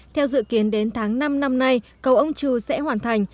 theo dự kiến đến tháng năm năm nay cầu ông trừ sẽ hoàn thành